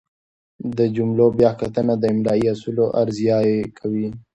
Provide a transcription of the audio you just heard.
د جملو بیا کتنه د املايي اصولو ارزیابي کوي.